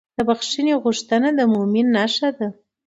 د بښنې غوښتنه د مؤمن نښه ده.